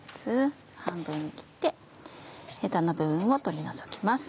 半分に切ってヘタの部分を取り除きます。